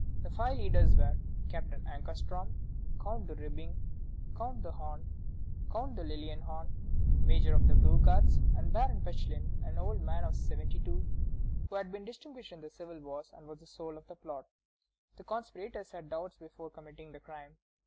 The five leaders were Captain Ankarstroem, Count de Ribbing, Count de Horn, Count de Lilienhorn, major of the Blue Guards, and Baron Pechlin, an old man of seventy two, who had been distinguished in the civil wars, and was the soul of the plot. The conspirators had doubts before committing the crime.